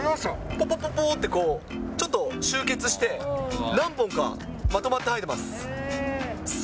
ぽぽぽぽってこう、ちょっと集結して、何本かまとまって生えてます。